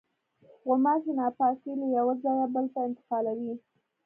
غوماشې ناپاکي له یوه ځایه بل ته انتقالوي.